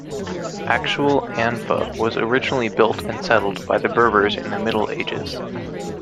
Actual Anfa was originally built and settled by the Berbers in the Middle Ages.